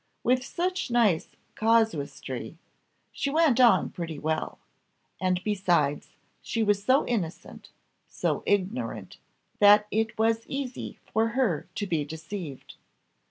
With such nice casuistry she went on pretty well; and besides, she was so innocent so ignorant, that it was easy for her to be deceived.